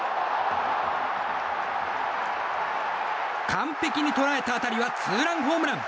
完璧に捉えた当たりはツーランホームラン。